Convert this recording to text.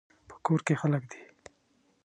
په کور کې خلک دي